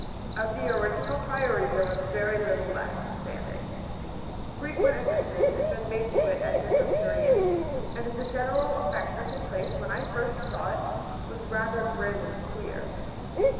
Of the original Priory there was very little left standing. Frequent additions had been made to it at different periods, and the general effect of the place when I first saw it was rather grim and queer.